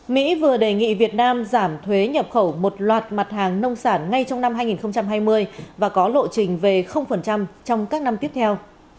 mỹ vừa đề nghị việt nam giảm thuế nhập khẩu một loạt mặt hàng nông sản ngay trong năm hai nghìn hai mươi và có lộ trình về trong các năm tiếp theo